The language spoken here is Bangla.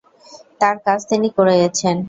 তাঁর কাজ তিনি করে গেছেন।